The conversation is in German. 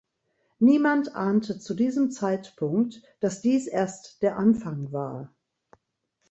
Niemand ahnte zu diesem Zeitpunkt, dass dies erst der Anfang war.